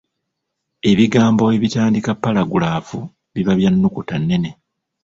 Ebigambo ebitandika ppalagulaafu biba bya nnukuta nnene.